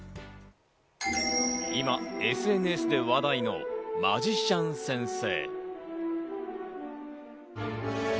今、ＳＮＳで話題のマジシャン先生。